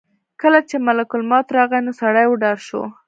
کله چې ملک الموت راغی نو سړی وډار شو.